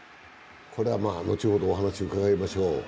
これは後ほどお話、伺いましょう。